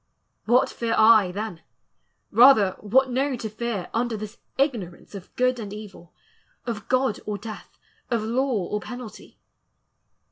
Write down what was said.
What fear I then? rather what know to fear Under this ignorance of good and evil, Of God or death, of law or penalty?